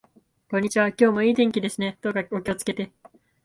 こんにちは。今日も良い天気ですね。どうかお気をつけて。